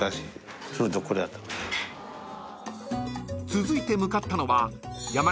［続いて向かったのは］